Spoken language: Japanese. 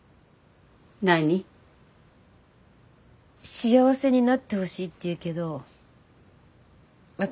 幸せになってほしいって言うけど私